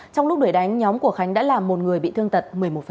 trong lúc đuổi đánh nhóm của khánh đã làm một người bị thương tật một mươi một